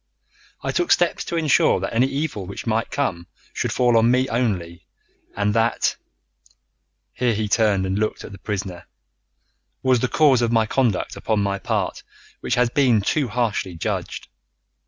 I took steps to insure that any evil which might come should fall on me only, and that" here he turned and looked at the prisoner "was the cause of conduct upon my part which has been too harshly judged.